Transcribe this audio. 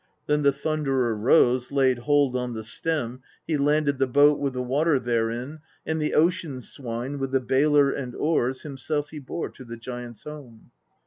Then the Thunderer rose, laid hold on the stem, he landed the boat with the water therein, and the ocean swine, with the baler and oars himself he bore to the giant's home.